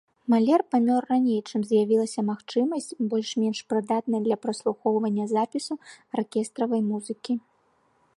Малер памёр раней, чым з'явілася магчымасць больш-менш прыдатнай для праслухоўвання запісу аркестравай музыкі.